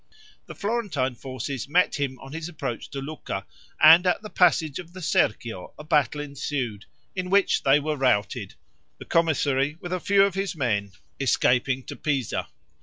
The Florentine forces met him on his approach to Lucca, and at the passage of the Serchio a battle ensued, in which they were routed, the commissary with a few of his men escaping to Pisa.